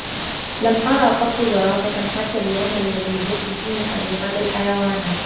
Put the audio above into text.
لم أرى قط زرافة حتى اليوم الذي زرت فيه حديقة الحيوانات.